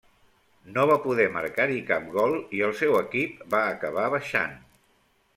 No va poder marcar-hi cap gol, i el seu equip va acabar baixant.